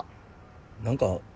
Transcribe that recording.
何か。